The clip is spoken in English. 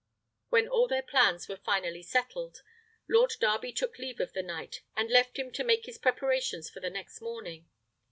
When all their plans were finally settled, Lord Darby took leave of the knight, and left him to make his preparations for the next morning.